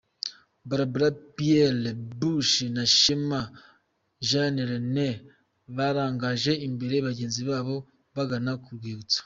Barbara Pierce Bush na Shema Jean Rene barangaje imbere bagenzi babo bagana ku rwibuso.